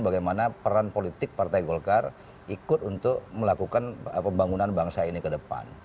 bagaimana peran politik partai golkar ikut untuk melakukan pembangunan bangsa ini ke depan